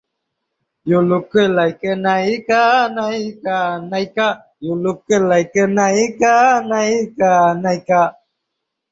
নাদিরা ইয়াসমিন জলি জাতীয় মহিলা সংস্থা পাবনার চেয়ারম্যান ও পাবনা মহিলা আওয়ামী লীগ সভাপতি।